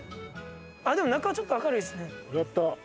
でも中はちょっと明るいですね。